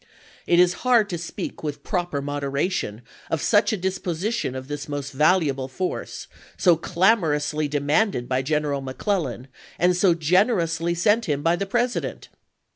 It is hard to speak with proper moderation of such a disposition of this most valuable force, so clamorously demanded by General McClellan, and so generously sent him by the President.